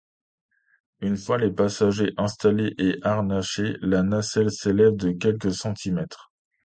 Une fois les passagers installés et harnachés, la nacelle s'élève de quelques centimètres.